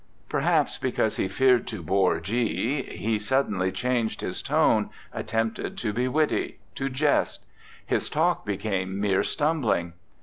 Perhaps because he feared to bore G , he suddenly changed his tone, attempted to be witty, to jest; his talk became mere stumbling.